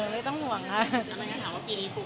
ไม่ต้องห่วงค่ะ